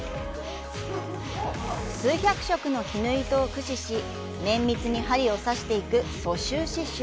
数百色の絹糸を駆使し緻密に針を刺していく蘇州刺繍。